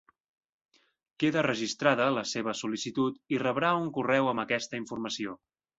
Queda registrada la seva sol·licitud i rebrà un correu amb aquesta informació.